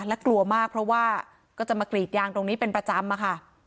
และกลัวมากเพราะว่าก็จะมากรีดยางตรงนี้เป็นประจำอะค่ะ